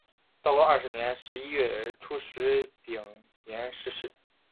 道光二十年十一月初十丙寅逝世。